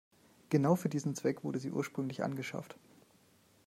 Genau für diesen Zweck wurden sie ursprünglich angeschafft.